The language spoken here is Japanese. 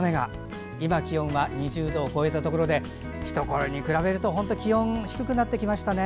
今、気温は２０度を超えたところでひところに比べると本当に気温が低くなってきましたね。